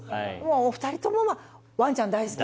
お２人ともワンちゃん大好き。